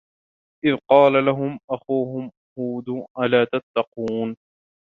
إِذْ قَالَ لَهُمْ أَخُوهُمْ هُودٌ أَلَا تَتَّقُونَ